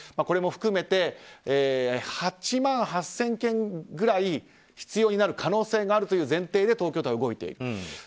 これも含めて８万８０００件ぐらい必要になる可能性があるという前提で東京都は動いている。